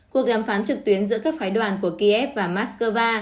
cuộc đàm phán trực tuyến giữa các phái đoàn của kiev và moscow